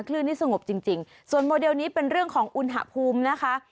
คลื่นนี่สงบจริงจริงส่วนโมเดลนี้เป็นเรื่องของอุณหภูมินะคะ